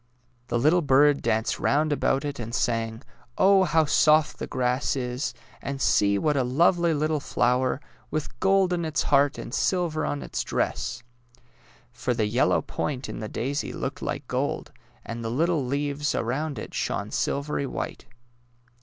The little bird danced round about it and sang, " Oh, how soft the grass is! And see what a lovely little flower, with gold in its heart and silver on its dress! " For the yellow point in the daisy looked like gold, and the little leaves around it shone silvery white.